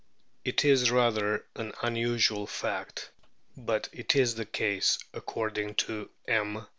It is rather an unusual fact, but it is the case according to M.